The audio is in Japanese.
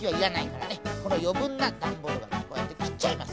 このよぶんなだんボールはこうやってきっちゃいます。